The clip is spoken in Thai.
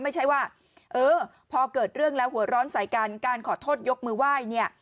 ไม่ใช่ว่าเออพอเกิดเรื่องแล้วหัวร้อนใส่กันการขอโทษยกมือไหว้เนี่ย